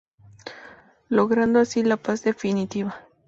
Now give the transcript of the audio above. Logrando así la paz definitiva.